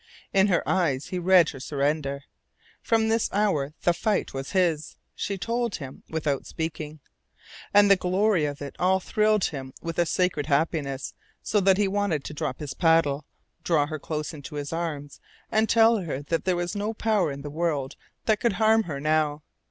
In her eyes he read her surrender. From this hour the fight was his. She told him, without speaking. And the glory of it all thrilled him with a sacred happiness so that he wanted to drop his paddle, draw her close into his arms, and tell her that there was no power in the world that could harm her now.